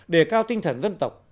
để cao tinh thần dân tộc